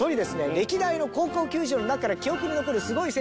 歴代の高校球児の中から記憶に残るすごい選手